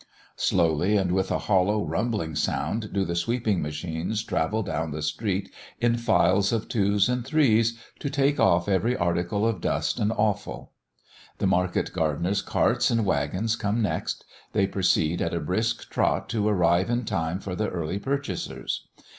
Slowly, and with a hollow, rumbling sound do the sweeping machines travel down the street in files of twos and threes to take off every particle of dust and offal. The market gardener's carts and waggons come next; they proceed at a brisk trot to arrive in time for the early purchasers.